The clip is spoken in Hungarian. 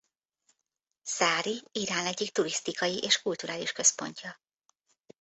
Szári Irán egyik turisztikai és kulturális központja.